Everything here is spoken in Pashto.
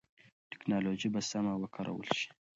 ټکنالوژي به سمه وکارول شي.